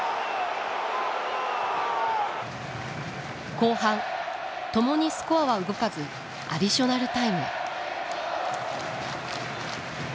後半共にスコアは動かずアディショナルタイム。